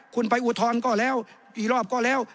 คุณไปอูทธรรมด์ก็แล้วอีโลปก็แล้ว